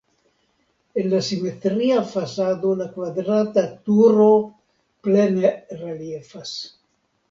En la simetria fasado la kvadrata turo plene reliefas.